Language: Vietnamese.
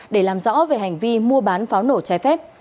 để làm rõ về hành vi mua bán pháo nổ trái phép